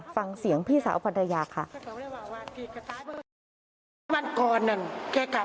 ฟังเสียงพี่สาวของพันตะยาค่ะ